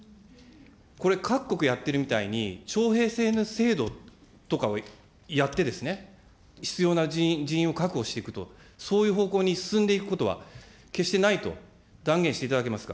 これ、各国やってるみたいに徴兵制の制度とかをやって、必要な人員を確保していくと、そういう方向に進んでいくことは、決してないと断言していただけますか。